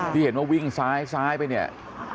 ที่เห็นว่าวิ่งซ้ายซ้ายไปเนี่ย